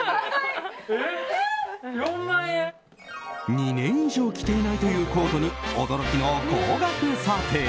２年以上着ていないというコートに驚きの高額査定。